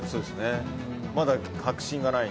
まだ確信がない。